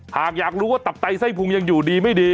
หากอยากรู้ว่าตับไตไส้พุงยังอยู่ดีไม่ดี